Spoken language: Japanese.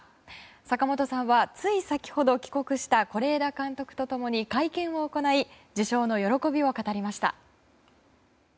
坂元さんはつい先ほど帰国した是枝監督と共に会見を行い受賞の喜びを語りました。